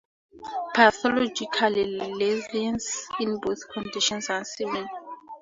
Pathological lesions in both conditions are similar.